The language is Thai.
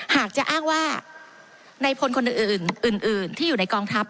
หากจะอ้างว่าในพลคนอื่นอื่นที่อยู่ในกองทัพ